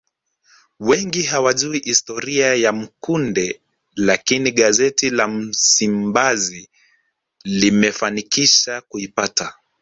Wengi hawaijui historia ya Mkude lakini gazeti la Msimbazi limefanikisha kuipata